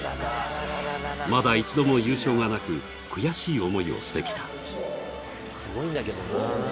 まだ一度も優勝がなく悔しい思いをしてきた。